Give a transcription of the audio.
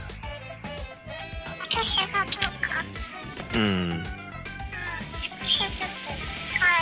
うん。